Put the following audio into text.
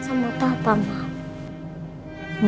sama tau pemang